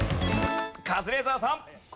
カズレーザーさん。